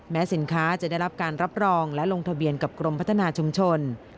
สินค้าจะได้รับการรับรองและลงทะเบียนกับกรมพัฒนาชุมชน